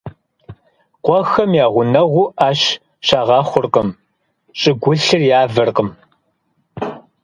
Къуэхэм я гъунэгъуу Ӏэщ щагъэхъуркъым, щӀыгулъыр явэркъым.